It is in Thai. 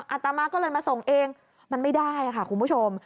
อาตมาก็เลยมาส่งเองมันไม่ได้ค่ะคุณผู้ชม